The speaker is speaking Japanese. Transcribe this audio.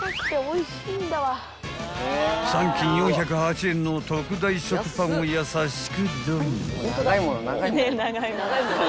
［３斤４０８円の特大食パンを優しくドーン］